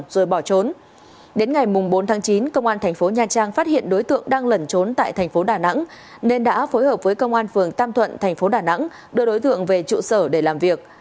rồi bỏ trốn đến ngày bốn tháng chín công an thành phố nha trang phát hiện đối tượng đang lẩn trốn tại thành phố đà nẵng nên đã phối hợp với công an phường tam thuận thành phố đà nẵng đưa đối tượng về trụ sở để làm việc